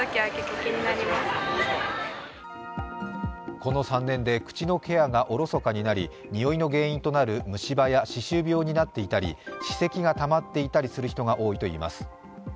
この３年で口のケアがおろそかになり、においの原因となる虫歯や歯周病になっていたり歯石がたまっている人が多いといいます。